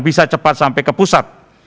bisa cepat sampai ke pusat